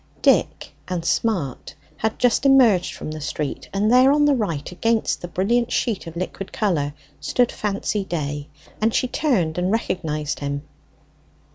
Dick and Smart had just emerged from the street, and there on the right, against the brilliant sheet of liquid colour, stood Fancy Day; and she turned and recognized him.